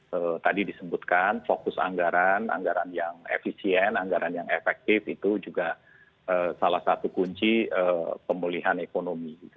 nah tadi disebutkan fokus anggaran anggaran yang efisien anggaran yang efektif itu juga salah satu kunci pemulihan ekonomi